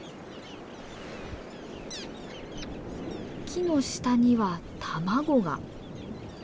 木の下には卵が。